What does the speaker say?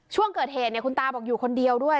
ช่วงเกิดเหตุเนี่ยคุณตาบอกอยู่คนเดียวด้วย